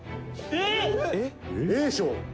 「えっ？」